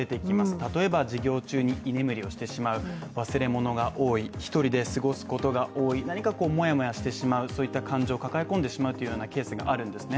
例えば授業中に居眠りをしてしまう忘れ物が多い一人で過ごすことが多い、何かもやもやしてしまうそういった感情を抱え込んでしまうケースがあるんですね。